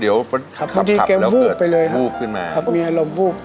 เดี๋ยวขับแล้วเกิดวูบขึ้นมามีอารมณ์วูบ